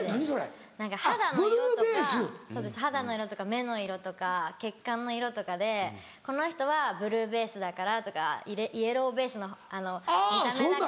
肌の色とか目の色とか血管の色とかでこの人はブルーベースだからとかイエローベースの見た目だから。